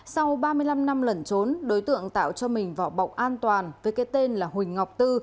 sau ba mươi năm năm lẩn trốn đối tượng tạo cho mình vỏ bọc an toàn với cái tên là huỳnh ngọc tư